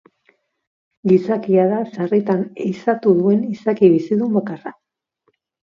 Gizakia da sarritan ehizatu duen izaki bizidun bakarra.